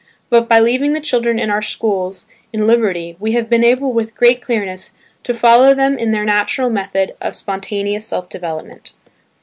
But by leaving the children in our schools in liberty we have been able with great clearness to follow them in their natural method of spontaneous self development.